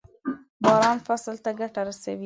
باران فصل ته ګټه رسوي.